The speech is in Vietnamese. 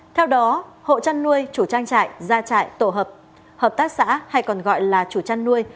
theo đó hộ chăn nuôi chủ trang trại gia trại tổ hợp hợp tác xã hay còn gọi là chủ chăn nuôi